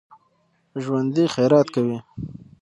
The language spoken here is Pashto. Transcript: ژوندي خیرات کوي